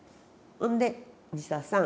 ほんで「西田さん